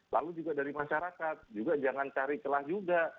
lalu juga dari masyarakat juga jangan cari celah juga